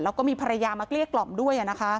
แล้วก็มีภรรยามาเกลี้ยกล่อมด้วย